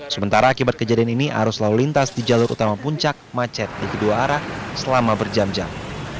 sementara akibat kejadian ini arus lalu lintas di jalur utama puncak macet di kedua arah selama berjam jam